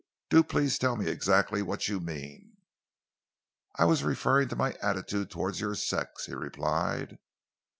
Do please tell me exactly what you mean." "I was referring to my attitude towards your sex," he replied.